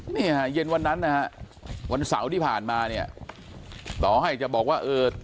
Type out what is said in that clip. เนี่ยฮะเย็นวันนั้นนะฮะวันเสาร์ที่ผ่านมาเนี่ยต่อให้จะบอกว่าเออ